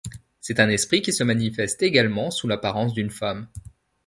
C'est un esprit qui se manifeste également sous l'apparence d'une femme.